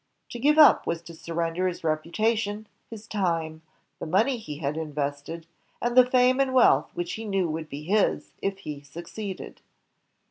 To give up was to surrender his reputation, his time, the money he had invested, and the fame and wealth which he knew would be his if he succeeded.